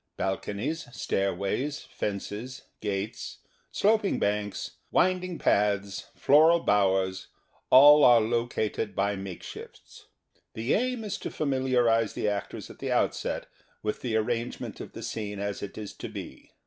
Balconies, stairways, fences, gates, sloping banks, winding paths, floral bowers ŌĆö all are located by make shifts. The aim is to familiarize the actors at the outset with the arrange ment of the scene as it is to be.